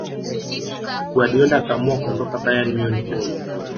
guardiola akaamua kuondoka bayern munich